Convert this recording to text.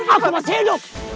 aku masih hidup